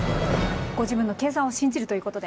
ご自分の計算を信じるということで。